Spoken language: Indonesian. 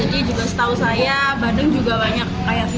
jadi juga setahu saya bandeng juga banyak